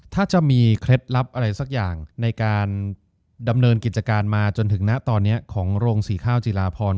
ถ้าจะมีเคล็ดลับอะไรสักอย่างในการดำเนินกิจการมาจนถึงณตอนนี้ของโรงสีข้าวจีลาพร